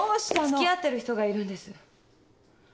つきあってる人がいるんです。